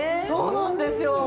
そうなんですよ。